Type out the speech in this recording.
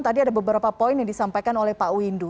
tadi ada beberapa poin yang disampaikan oleh pak windu